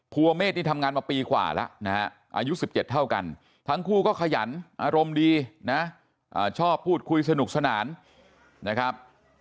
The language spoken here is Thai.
เมฆนี่ทำงานมาปีกว่าแล้วนะฮะอายุ๑๗เท่ากันทั้งคู่ก็ขยันอารมณ์ดีนะชอบพูดคุยสนุกสนานนะครับ